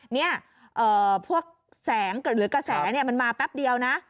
นี่พวกแสงหรือกระแสมันมาแป๊บเดียวนะ